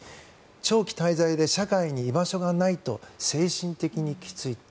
長期滞在で社会に居場所がないと精神的にきつい。